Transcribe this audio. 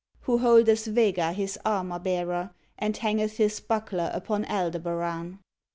Who holdeth Vega His armor bearer, and hang eth his buckler upon Aldebaran; 45.